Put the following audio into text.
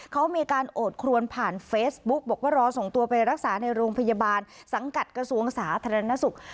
เขามีการโอดครวนผ่านเฟซบุ๊กบอกว่ารอส่งตัวไปรักษาในโรงพยาบาลสังกัดกระทรวงสาธารณสุข